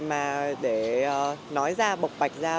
mà để nói ra bộc bạch ra